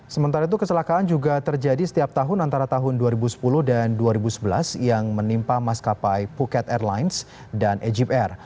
sementara itu kecelakaan juga terjadi setiap tahun antara tahun dua ribu sepuluh dan dua ribu sebelas yang menimpa maskapai phuket airlines dan egypt air